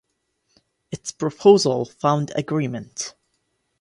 Its proposal found agreement.